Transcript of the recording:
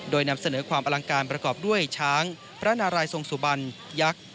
โดยนำเสนอความอลังการประกอบด้วยช้างพระนารายทรงสุบันยักษ์